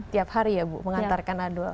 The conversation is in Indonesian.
tiap hari ya bu mengantarkan adul